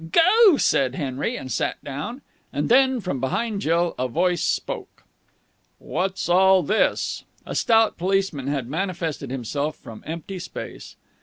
"Goo!" said Henry, and sat down. And then, from behind Jill, a voice spoke. "What's all this?" A stout policeman had manifested himself from empty space.